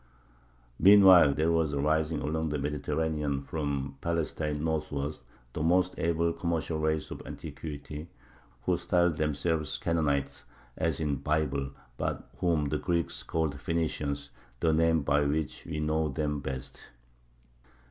Meanwhile there was rising along the Mediterranean from Palestine northward the most able commercial race of antiquity, who styled themselves Canaanites, as in the Bible, but whom the Greeks called Phenicians, the name by which we know them best.